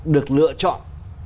được lựa chọn